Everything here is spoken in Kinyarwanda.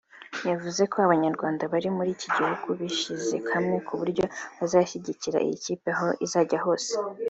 yavuze ko abanyarwanda bari muri iki gihugu bishyize hamwe ku buryo bazashyigikira iyi kipe aho izajya hose